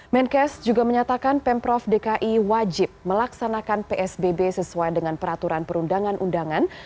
menkes juga menyatakan pemprov dki wajib melaksanakan psbb sesuai dengan peraturan perundangan undangan